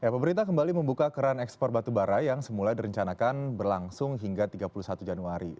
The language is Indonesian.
pemerintah kembali membuka keran ekspor batubara yang semula direncanakan berlangsung hingga tiga puluh satu januari